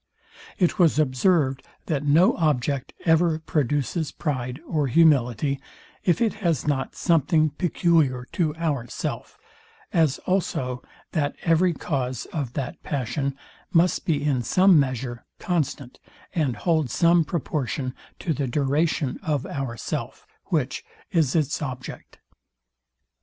It was observed, that no object ever produces pride or humility, if it has not something peculiar to ourself; as also, that every cause of that passion must be in some measure constant, and hold some proportion to the duration of our self, which, is its object.